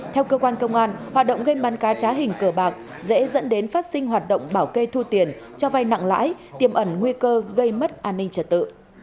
theo cơ quan công an hoạt động gam bán cá trá hình cờ bạc dễ dẫn đến phát sinh hoạt động bảo kê thu tiền cho vai nặng lãi tiềm ẩn nguy cơ gây mất an ninh trật tự